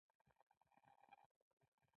موټر ته کلید یا سوئچ پکار وي.